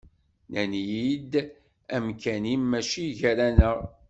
Nnan-iyi-d amkan-im mačči gar-aneɣ.